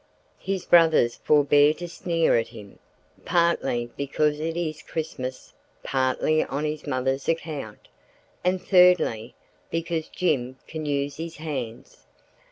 His brothers forbear to sneer at him, partly because it is Christmas, partly on mother's account, and thirdly, because Jim can use his hands.